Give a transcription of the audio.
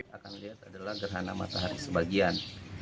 akan dilihat adalah gerhana matahari sebagian